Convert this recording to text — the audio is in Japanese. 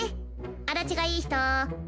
足立がいい人。